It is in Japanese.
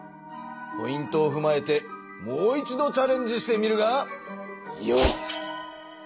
ポイントをふまえてもう一度チャレンジしてみるがよい！